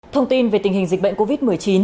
thông tin về tình hình dịch bệnh covid một mươi chín